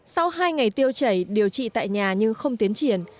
sau hai ngày tiêu chảy điều trị tại nhà nhưng không tiến triển